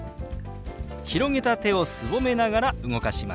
広げた手をすぼめながら動かします。